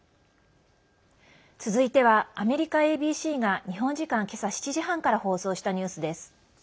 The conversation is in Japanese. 続いてはアメリカＡＢＣが日本時間けさ７時半から放送したニュースです。